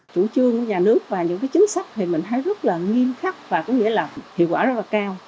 chủ trương của nhà nước và những chính sách thì mình thấy rất là nghiêm khắc và có nghĩa là hiệu quả rất là cao